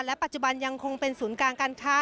ปัจจุบันยังคงเป็นศูนย์กลางการค้า